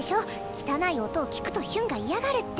汚い音を聴くとヒュンが嫌がるって。